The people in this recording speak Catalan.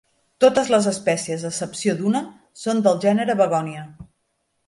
Totes les espècies, a excepció d'una, són del gènere "Begonia".